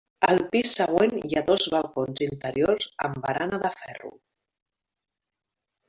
Al pis següent hi ha dos balcons interiors amb barana de ferro.